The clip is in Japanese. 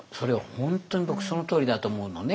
本当に僕そのとおりだと思うのね。